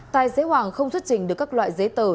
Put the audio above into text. tài xế hoàng không xuất trình được các loại giấy tờ